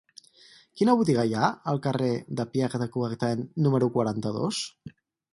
Quina botiga hi ha al carrer de Pierre de Coubertin número quaranta-dos?